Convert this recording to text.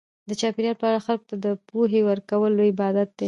د چاپیریال په اړه خلکو ته د پوهې ورکول لوی عبادت دی.